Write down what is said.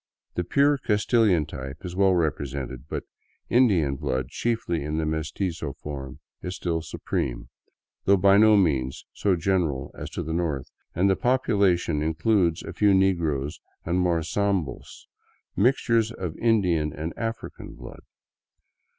The pure Castilian type is well represented, but Indian blood, chiefly in the meztizo form, is still supreme, though by no means so general as to the north, and the population includes a few negroes and more sambos, — mixtures of Indian and African blood.